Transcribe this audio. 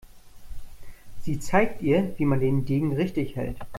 Sie zeigt ihr, wie man den Degen richtig hält.